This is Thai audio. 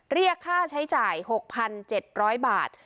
เรียกค่าใช้จ่าย๖๗๐๐บาท